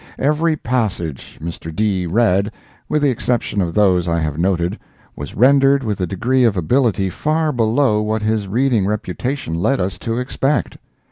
Every passage Mr. D. read, with the exception of those I have noted, was rendered with a degree of ability far below what his reading reputation led us to expect.